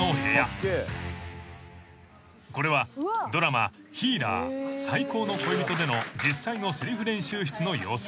［これはドラマ『ヒーラー最高の恋人』での実際のせりふ練習室の様子］